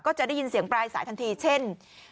จะได้ยินเสียงปลายสายทันทีเช่น